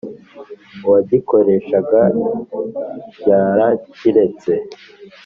uwagikoreshaga yarakiretse.